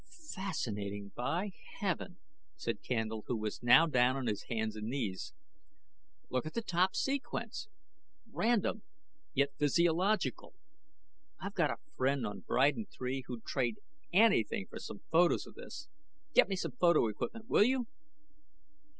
"Fascinating, by Heaven," said Candle, who was now down on his hands and knees. "Look at that top sequence! Random, yet physiological. I've got a friend on Bridan III who'd trade anything for some photos of this. Get me some photo equipment, will you?"